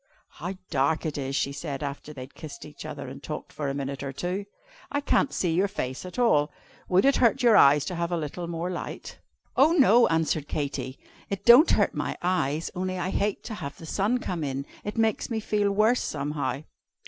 "How dark it is!" she said, after they had kissed each other and talked for a minute or two; "I can't see your face at all. Would it hurt your eyes to have a little more light?" "Oh no!" answered Katy. "It don't hurt my eyes, only I hate to have the sun come in. It makes me feel worse, somehow."